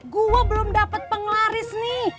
gue belum dapat penglaris nih